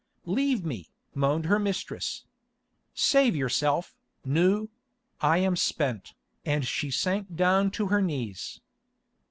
"Leave me," moaned her mistress. "Save yourself, Nou; I am spent," and she sank down to her knees.